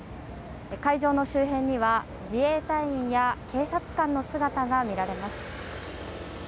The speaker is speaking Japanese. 会場の周辺には自衛隊員や警察官の姿が見られます。